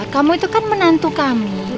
kamu itu kan menantu kami